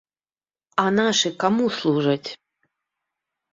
А нашы каму служаць?